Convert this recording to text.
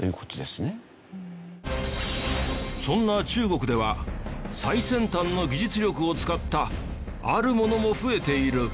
そんな中国では最先端の技術力を使ったあるものも増えている。